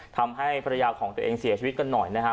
ทำให้ภรรยาของตัวเองเสียชีวิตกันหน่อยนะฮะ